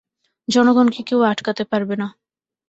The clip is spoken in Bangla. জনগণকে কেউ আটকাতে পারবে না।